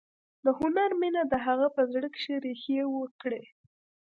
د هنر مینه د هغه په زړه کې ریښې وکړې